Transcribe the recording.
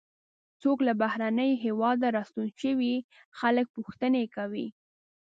څوک له بهرني هېواده راستون شي خلک پوښتنې کوي.